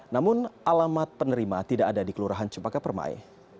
namun alamat penerima tidak ada di kelurahan cempaka permai